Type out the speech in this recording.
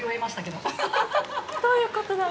どういうことだ。